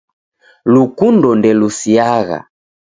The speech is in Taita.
Lukundo ndelusiagha.